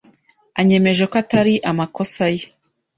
anyemeje ko atari amakosa ye.